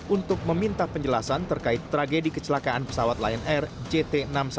untuk meminta penjelasan terkait tragedi kecelakaan pesawat lion air jt enam ratus sepuluh